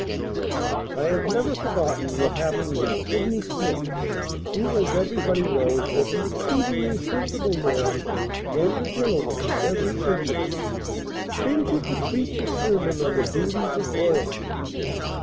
I have never forgotten what happened when Sydney Smith who, as everybody knows, was an exceedingly sensible man, and a gentleman, every inch of him ventured to preach a sermon on the Duties of Royalty.